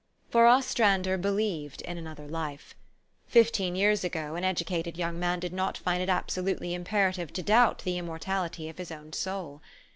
For Ostrander believed in another life. Fifteen years ago, an educated young man did not find it absolutely im perative to doubt the immortality of his own soul.